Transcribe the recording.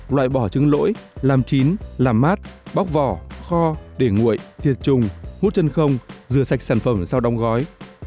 loại bỏ trứng lỗi làm chín làm mát bóc vỏ kho để nguội thiệt trùng hút chân không rửa sạch sản phẩm sau đóng gói